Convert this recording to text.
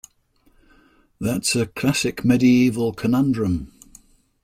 That's a classic medieval conundrum.